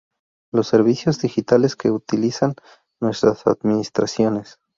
Los servicios digitales que utilizan nuestras administraciones